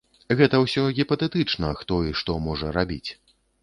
Гэта ўсё гіпатэтычна, хто і што можа рабіць.